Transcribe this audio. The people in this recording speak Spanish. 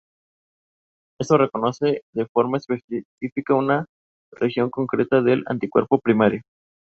Éste reconoce de forma específica una región concreta del anticuerpo primario.